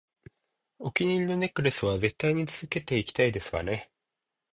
お気に入りのネックレスは絶対につけていきたいですわね